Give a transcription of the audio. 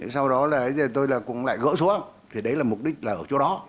sau đó là tôi cũng lại gỡ xuống thì đấy là mục đích là ở chỗ đó